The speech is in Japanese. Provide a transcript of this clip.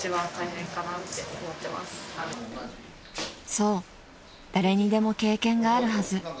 ［そう誰にでも経験があるはず］